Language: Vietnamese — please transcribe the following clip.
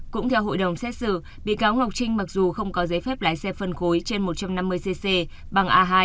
cũng theo hội đồng xét xử bị cáo ngọc trinh mặc dù không có giấy phép lái xe phân khối trên một trăm năm mươi cc bằng a hai